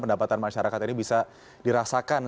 pendapatan masyarakat ini bisa dirasakan